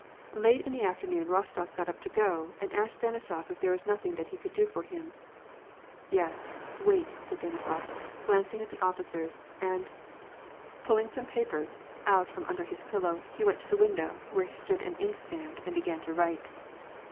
Late in the afternoon, Rostof got up to go, and asked Deni sof if there was nothing that he could do for him. " Yes, wait," said Denisof, glancing at the officers, and, pull WAR AND PEACE. 141 ing some papers out from under his pillow, he went to the window, where stood an inkstand, and began to write.